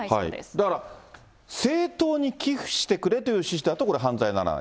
だから政党に寄付してくれという趣旨だとこれは犯罪にならない。